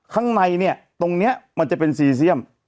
ข้างในเนี่ยตรงนี้มันจะเป็นซีเซียม